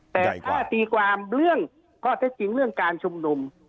แต่ถ้าตีความเรื่องการชุมนุม